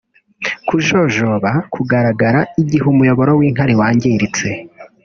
Kujojoba kugaragara igihe umuyoboro w’inkari wangiritse